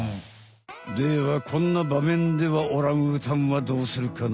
ではこんなばめんではオランウータンはどうするかな？